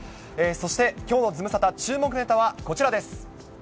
そしてきょうのズムサタ、注目ネタはこちらです。